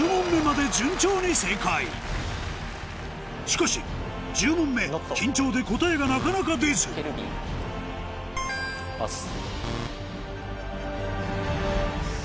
しかし１０問目緊張で答えがなかなか出ずパス。